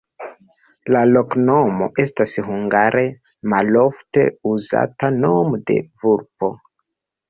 La loknomo estas hungare malofte uzata nomo de vulpo.